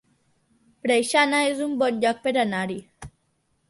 Preixana es un bon lloc per anar-hi